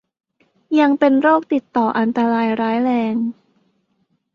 ยังเป็นโรคติดต่ออันตรายร้ายแรง